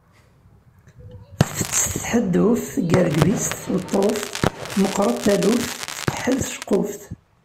Tfettet tḥedduft, teggergeb-itt tweṭṭuft, meqret taluft, tkeḥḥel tceqquft.